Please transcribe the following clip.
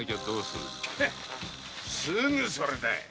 すぐそれだ。